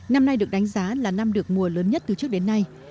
năm nay được đánh giá là năm được mùa lớn nhất từ trước đến nay